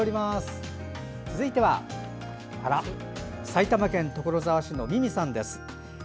続いては埼玉県所沢市のミミさんです。